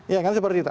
ya kan seperti itu